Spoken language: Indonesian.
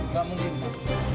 gak mungkin pak